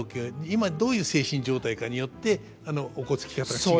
今どういう精神状態かによっておこつき方が違うっていう。